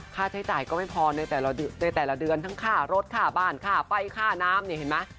ค่าใช้จ่ายก็ไม่พอในแต่ละเดือนทั้งค่ารถค่าบ้านค่าไฟค่าน้ำเนี่ยเห็นไหม